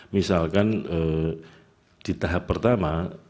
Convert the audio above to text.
misalkan di tahap pertama